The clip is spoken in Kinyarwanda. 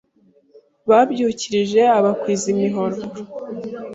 Babyukirije abakwiza imihororo